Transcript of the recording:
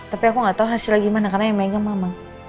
tapi aku gak tahu hasilnya gimana karena yang megang mama